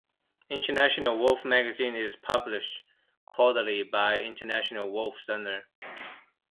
"International Wolf" magazine is published quarterly by the International Wolf Center.